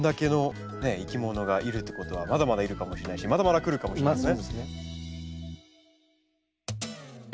いきものがいるっていうことはまだまだいるかもしれないしまだまだ来るかもしれないですね。